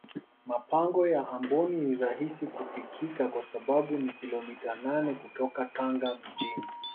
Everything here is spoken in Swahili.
mapango ya amboni ni rahisi kufikika kwa sababu ni kilomita nane kutoka tanga mjini